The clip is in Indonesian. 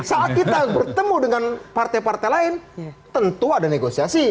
saat kita bertemu dengan partai partai lain tentu ada negosiasi